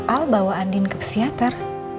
al bawa andien ke psikiater